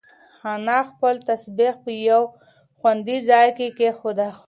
انا خپل تسبیح په یو خوندي ځای کې کېښوده.